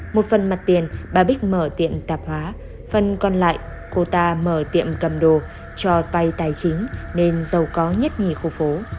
một phần mặt tiền bà bích mở tiệm tạp hóa phần còn lại cô ta mở tiệm cầm đồ cho vay tài chính nên giàu có nhất nhì khu phố